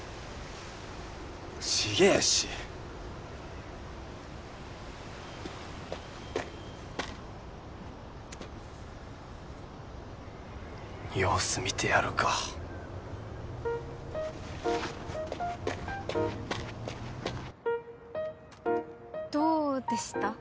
違えし様子見てやるかどうでした？